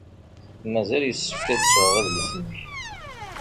Mazal yessefk ad d-sɣeɣ adlis-nnek.